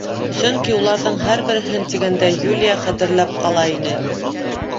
Сөнки уларҙың һәр береһен тигәндәй, Юлия хәтерләп ҡала ине.